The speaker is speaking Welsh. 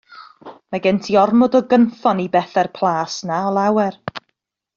Mae gen ti ormod o gynffon i bethe'r Plas 'na o lawer.